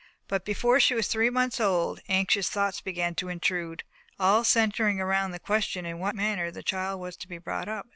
But before she was three months old, anxious thoughts began to intrude, all centering round the question in what manner the child was to be brought up.